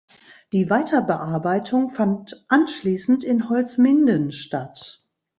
Die Weiterbearbeitung fand anschließend in Holzminden statt.